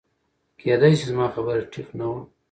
کېدی شي زما خبره ټیک نه وه